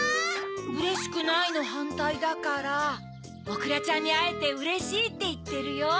「うれしくない」のはんたいだから「おくらちゃんにあえてうれしい」っていってるよ。